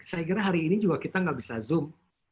saya kira hari ini juga kita nggak bisa zoom